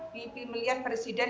di pemilihan presiden